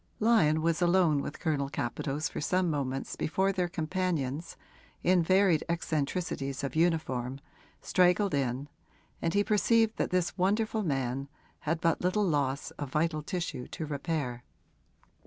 Lyon was alone with Colonel Capadose for some moments before their companions, in varied eccentricities of uniform, straggled in, and he perceived that this wonderful man had but little loss of vital tissue to repair.